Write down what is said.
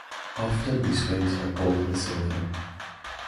Often the swings are gold and silver.